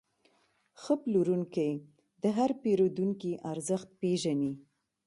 ښه پلورونکی د هر پیرودونکي ارزښت پېژني.